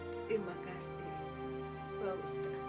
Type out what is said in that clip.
terima kasih pak ustadz